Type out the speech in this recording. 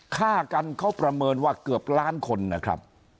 ฆ่ากันเขาประเมินว่าเกือบแล้ว